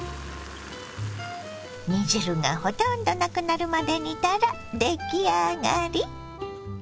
煮汁がほとんどなくなるまで煮たら出来上がり。